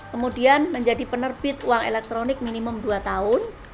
kemudian menjadi penerbit uang elektronik minimum dua tahun